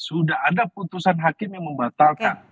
sudah ada putusan hakim yang membatalkan